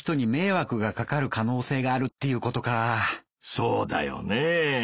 そうだよねぇ。